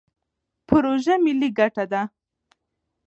پروژه ملي ګټه ده.